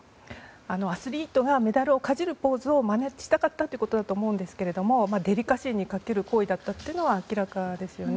アスリートがメダルをかじるポーズをまねしたかったんだと思うんですけどデリカシーに欠ける行為だったのは明らかですよね。